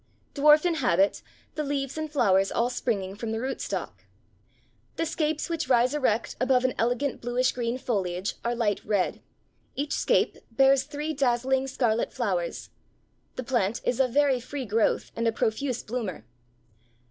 Dwarf in habit, the leaves and flowers all springing from the root stalk. "The scapes which rise erect above an elegant bluish green foliage, are light red; each scape bears three dazzling scarlet flowers. The plant is of very free growth, and a profuse bloomer."